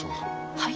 はい？